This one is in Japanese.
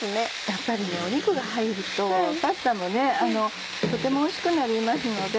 やっぱり肉が入るとパスタもとてもおいしくなりますので。